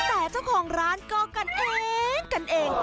แต่เจ้าของร้านก็กันเองกันเอง